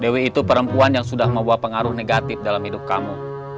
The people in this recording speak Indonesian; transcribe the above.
dewi itu perempuan yang sudah membawa pengaruh negatif dalam hidup kamu